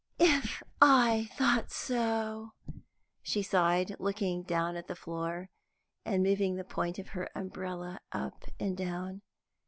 "If I thought so!" she sighed, looking down at the floor, and moving the point of her umbrella up and down.